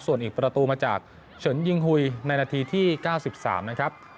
ส่วนอีกประตูมาจากเฉินยิงหุยในนาทีที่๙๓นะครับ